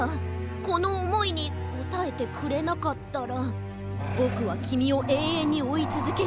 このおもいにこたえてくれなかったらぼくはきみをえいえんにおいつづける。